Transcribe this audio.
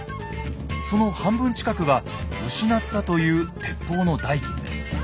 その半分近くは失ったという鉄砲の代金です。